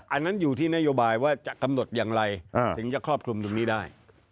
อันนั้นอยู่ที่นโยบายว่าจะกำหนดอย่างไรถึงจะครอบคลุมตรงนี้ได้